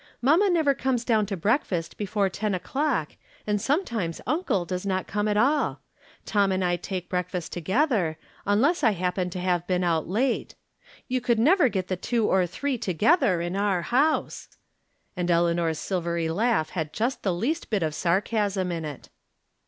Mamma never comes down to breakfast before ten o'clock, and sometimes uncle does not come at all. Tom and I take breakfast together, unless I happen to have been out late. You could never get the two or three together in our house "— and Eleanor's silvery laugh had just the least bit of sarcasm in it.